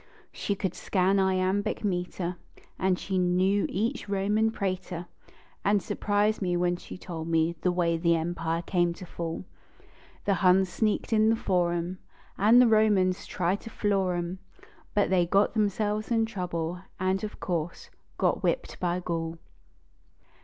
She could scan iambic meter And she knew each Roman praetor. And surprised me when she told the way the empire came to fall. The Huns sneaked in the forum, And the Romans tried to floor em But they got themselves in trouble, and, of course, got whipped, bv Gaul.